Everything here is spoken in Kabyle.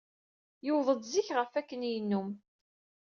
Yuweḍ-d zik ɣef wakken yennum.